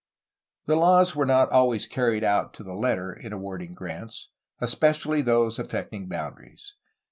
The laws were not always carried out to the letter in awarding grants, especially those affecting boundaries.